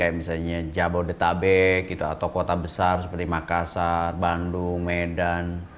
kayak misalnya jabodetabek gitu atau kota besar seperti makassar bandung medan